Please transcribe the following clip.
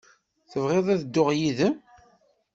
Tebɣiḍ ad dduɣ yid-m?